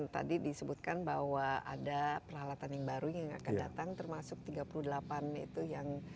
tadi disebutkan bahwa ada peralatan yang baru yang akan datang termasuk tiga puluh delapan itu yang